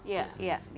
ada riwayat kontak